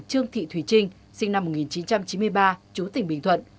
trương thị thùy trinh sinh năm một nghìn chín trăm chín mươi ba chú tỉnh bình thuận